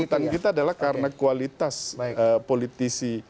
tuntutan kita adalah karena kualitas politisi